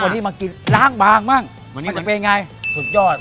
วันนี้มากินล้างบางบ้างมันจะเป็นยังไงสุดยอด